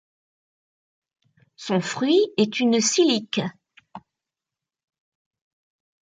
Son fruit est une silique.